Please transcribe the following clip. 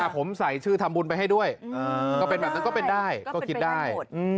ผมใส่ชื่อทำบุญไปให้ด้วยก็เป็นแบบนั้นก็เป็นได้ก็คิดได้